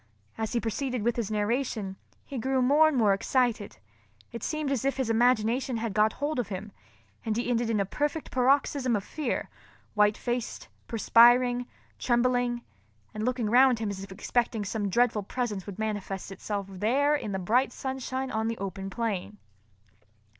As he proceeded with his narration, he grew more and more excited. It seemed as if his imagination had got hold of him, and he ended in a perfect paroxysm of fear—white faced, perspiring, trembling, and looking round him as if expecting that some dreadful presence would manifest itself there in the bright sunshine on the open plain.